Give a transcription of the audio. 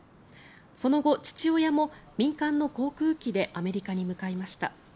その後、父親も民間の航空機でアメリカに向かいました。